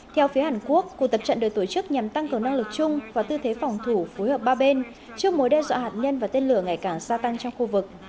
theo phía hàn quốc cuộc tập trận được tổ chức nhằm tăng cường năng lực chung và tư thế phòng thủ phối hợp ba bên trước mối đe dọa hạt nhân và tên lửa ngày càng gia tăng trong khu vực